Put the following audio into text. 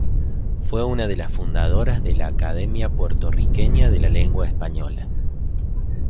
Fue una de las fundadoras de la Academia Puertorriqueña de la Lengua Española.